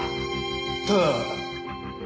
ただ？